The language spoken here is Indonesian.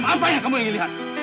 apa yang kamu ingin lihat